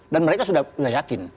dan mereka sudah yakin